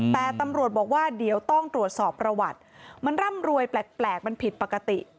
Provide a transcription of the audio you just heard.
แต่ตำรวจบอกว่าเดี๋ยวต้องตรวจสอบประวัติมันร่ำรวยแปลกมันผิดปกติ